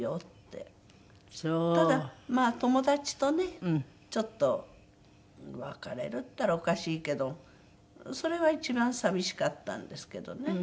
ただまあ友達とねちょっと別れるって言ったらおかしいけどそれは一番寂しかったんですけどね。